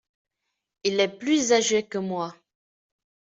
Il est plus âgé que moi.